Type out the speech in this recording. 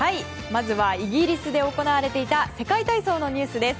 まずはイギリスで行われていた世界体操のニュースです。